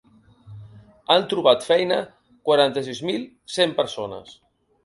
Han trobat feina quaranta-sis mil cent persones.